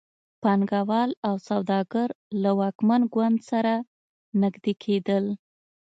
پانګوال او سوداګر له واکمن ګوند سره نږدې کېدل.